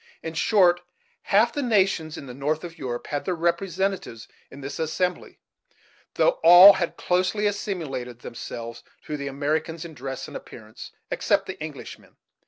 In short, half the nations in the north of Europe had their representatives in this assembly, though all had closely assimilated themselves to the Americans in dress and appearance, except the English man.